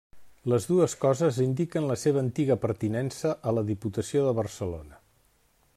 Les dues coses indiquen la seva antiga pertinença a la Diputació de Barcelona.